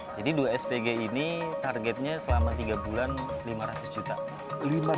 jadi dua spg ini targetnya selama tiga bulan lima ratus juta